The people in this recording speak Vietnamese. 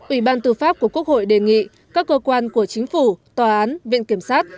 ủy ban tư pháp của quốc hội đề nghị các cơ quan của chính phủ tòa án viện kiểm sát